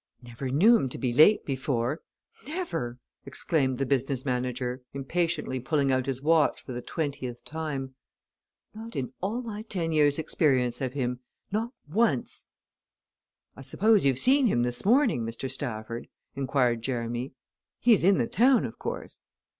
"Never knew him to be late before never!" exclaimed the business manager, impatiently pulling out his watch for the twentieth time. "Not in all my ten years' experience of him not once." "I suppose you've seen him this morning, Mr. Stafford?" inquired Jerramy. "He's in the town, of course?"